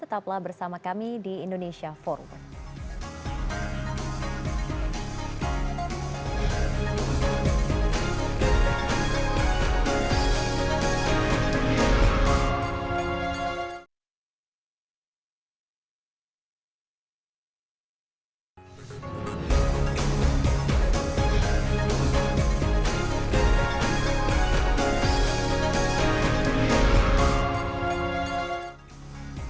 tetaplah bersama kami di indonesia forward